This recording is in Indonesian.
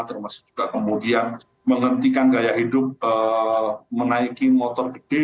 termasuk juga kemudian menghentikan gaya hidup menaiki motor gede